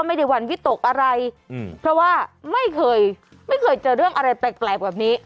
หวั่นวิตกอะไรอืมเพราะว่าไม่เคยไม่เคยเจอเรื่องอะไรแปลกแบบนี้